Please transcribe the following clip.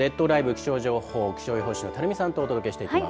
気象情報を気象予報士の垂水さんとお届けしていきます。